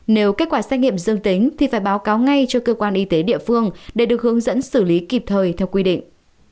nếu kết quả xét nghiệm dương tính thì phải báo cáo ngay cho cơ quan y tế địa phương để được hướng dẫn xử lý kịp thời theo quy định